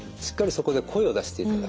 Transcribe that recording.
そこで声を出していただく。